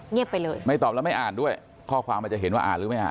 ไปเลยไม่ตอบแล้วไม่อ่านด้วยข้อความมันจะเห็นว่าอ่านหรือไม่อ่าน